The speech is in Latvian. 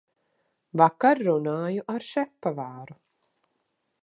Vakar runāju ar šefpavāru.